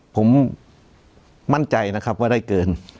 ผมมั่นใจนะครับว่าได้เกิน